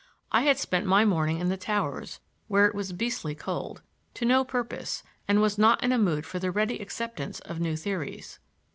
I had spent my morning in the towers, where it was beastly cold, to no purpose and was not in a mood for the ready acceptance of new theories.